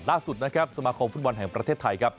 ล่าสุดนะครับสมาคมฟุตบอลแห่งประเทศไทยครับ